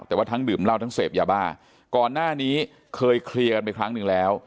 แต่ว่าทั้งดื่มเหล้าทั้งเสพยาบ้าก่อนหน้านี้เคยเคลียร์กันไปครั้งหนึ่งแล้ว